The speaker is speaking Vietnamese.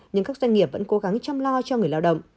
nhưng các doanh nghiệp vẫn cố gắng chăm lo cho người lao động